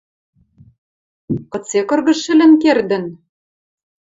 — Кыце кыргыж шӹлӹн кердӹн?